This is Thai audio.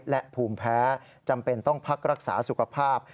และภูมิแพ้จำเป็นต้องพักรักษาสุขภาพ